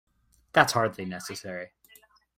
That's hardly necessary.